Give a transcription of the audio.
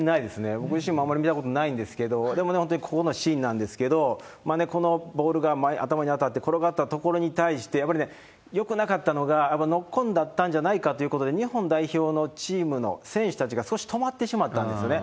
僕自身もあまり見たことないんですけど、でも本当にここのシーンなんですけど、このボールが頭に当たって転がったところに対して、やっぱりね、よくなかったのが、ノックオンだったんじゃないかっていうことで、日本代表のチームの選手たちが少し止まってしまったんですよね。